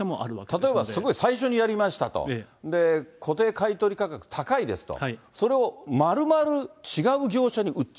例えばすごい最初にやりましたと、固定買い取り価格、高いですと。